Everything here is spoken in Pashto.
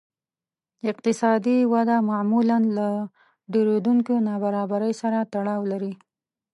اقتصادي وده معمولاً له ډېرېدونکې نابرابرۍ سره تړاو لري